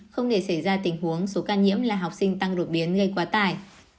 không để xảy ra tình huống số ca nhiễm là học sinh tăng đột biến gây quá tải